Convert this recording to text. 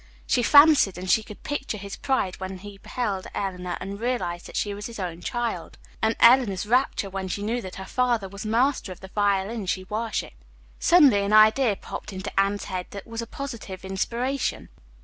She fancied she could picture his pride when he beheld Eleanor and realized that she was his own child, and Eleanor's rapture when she knew that her father was master of the violin she worshipped. Suddenly an idea popped into Anne's head that was a positive inspiration.